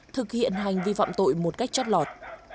thực hiện hành vi phạm tội một cách chót lọt